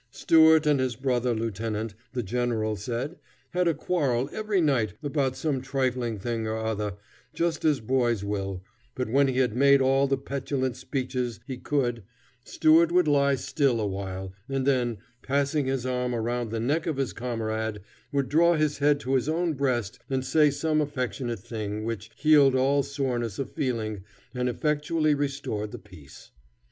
Stuart and his brother lieutenant, the general said, had a quarrel every night about some trifling thing or other, just as boys will, but when he had made all the petulant speeches he could, Stuart would lie still a while, and then, passing his arm around the neck of his comrade, would draw his head to his own breast and say some affectionate thing which healed all soreness of feeling and effectually restored the peace.